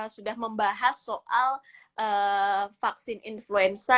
sudah membahas soal vaksin influenza